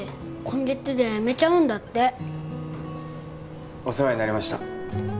今月で辞めちゃうんだってお世話になりました